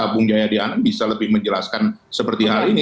bung jaya dianem bisa lebih menjelaskan seperti hal ini